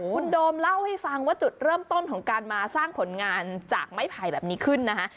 คุณโดมเล่าให้ฟังว่าจุดเริ่มต้นของการมาสร้างผลงานจากไม้ไผ่แบบนี้ขึ้นนะฮะ